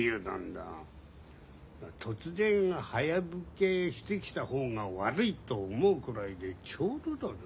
突然早引けしてきた方が悪いと思うくらいでちょうどだぞ。